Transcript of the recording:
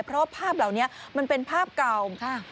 เพราะว่าภาพเหล่านี้มันเป็นภาพเก่า